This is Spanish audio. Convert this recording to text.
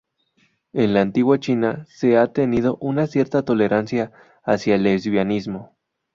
En la antigua China, se ha tenido una cierta tolerancia hacia el lesbianismo.